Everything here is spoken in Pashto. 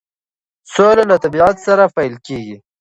سوله له طبیعت سره پیل کیږي.